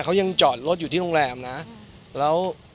เขายังจอดรถอยู่ที่โรงแรมนะแล้ว